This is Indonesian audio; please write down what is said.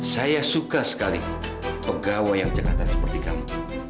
saya suka sekali pegawai yang cekatan seperti kamu